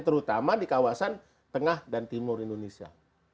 terutama di kawasan tengah dan timur indonesia